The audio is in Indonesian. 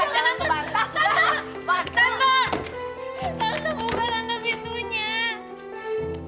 tante tante jangan